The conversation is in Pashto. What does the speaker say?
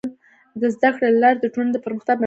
د زده کړې له لارې د ټولنې د پرمختګ بنسټ ایښودل کيږي.